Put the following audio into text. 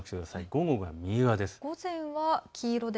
午後が右側です。